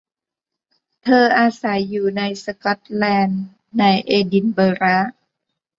เธออาศัยอยู่ในสก๊อตแลนด์ ในเอดินเบอระ